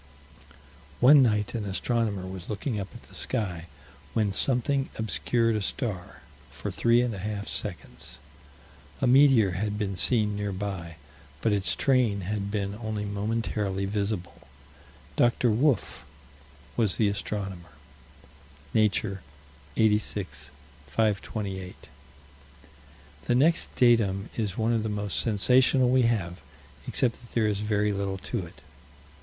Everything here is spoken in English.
One night an astronomer was looking up at the sky, when something obscured a star, for three and a half seconds. A meteor had been seen nearby, but its train had been only momentarily visible. Dr. Wolf was the astronomer (Nature, 86 528). The next datum is one of the most sensational we have, except that there is very little to it.